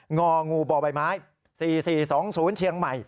งองูบ่อใบไม้๔๔๒๐เชียงใหม่